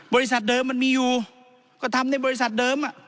บริษัทเดิมมันมีอยู่ก็ทำในบริษัทเดิม